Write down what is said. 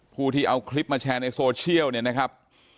ผู้ที่เอาคลิปมาแชร์ในโซเชียลเนี่ยนะครับ